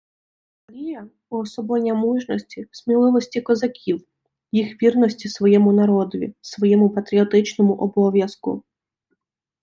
Гамалія — уособлення мужності, сміливості козаків, їх вірності своєму народові, своєму патріотичному обов'язку